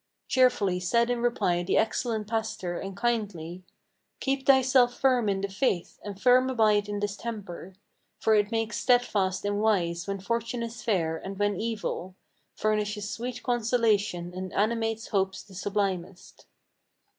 Cheerfully said in reply the excellent pastor, and kindly: "Keep thyself firm in the faith, and firm abide in this temper; For it makes steadfast and wise when fortune is fair, and when evil, Furnishes sweet consolation and animates hopes the sublimest."